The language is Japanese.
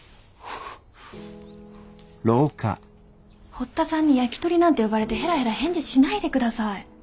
堀田さんにヤキトリなんて呼ばれてヘラヘラ返事しないでください。